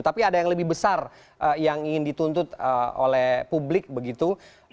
tapi ada yang lebih besar yang ingin dituntut oleh publik begitu